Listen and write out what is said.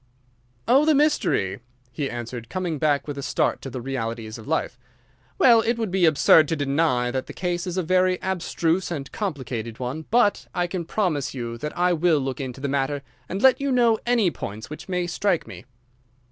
"Oh, the mystery!" he answered, coming back with a start to the realities of life. "Well, it would be absurd to deny that the case is a very abstruse and complicated one, but I can promise you that I will look into the matter and let you know any points which may strike me."